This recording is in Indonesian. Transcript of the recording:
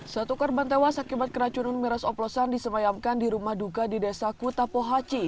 satu korban tewas akibat keracunan miras oplosan disemayamkan di rumah duka di desa kutapohaci